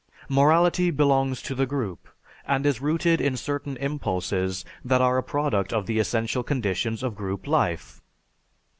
Morality belongs to the group and is rooted in certain impulses that are a product of the essential conditions of group life.